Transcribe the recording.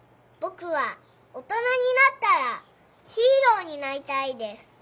「ぼくはおとなになったらヒーローになりたいです」